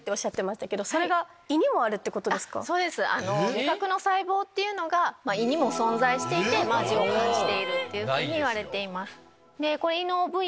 味覚の細胞が胃にも存在して味を感じているっていうふうにいわれています。